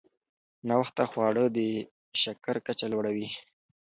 ناوخته خواړه د شکر کچه لوړوي.